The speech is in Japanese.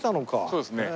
そうですね。